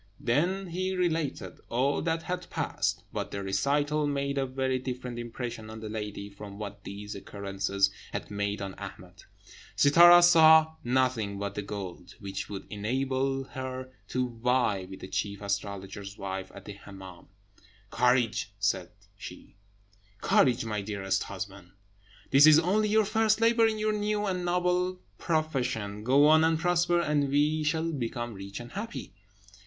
He then related all that had passed. But the recital made a very different impression on the lady from what these occurrences had made on Ahmed. Sittâra saw nothing but the gold, which would enable her to vie with the chief astrologer's wife at the Hemmâm. "Courage!" she said, "courage! my dearest husband. This is only your first labour in your new and noble profession. Go on and prosper, and we shall become rich and happy."